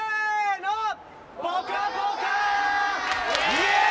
イエーイ！